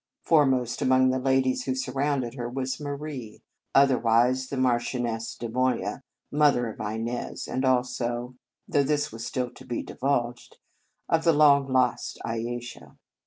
Foremost among the ladies who surrounded her was Marie, other wise the Marchioness deMoya, mother of Inez, and also though this has still to be divulged of the long lost Ayesha.